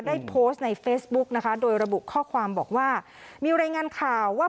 ได้โพสต์ในเฟซบุ๊กนะคะโดยระบุข้อความบอกว่ามีรายงานข่าวว่า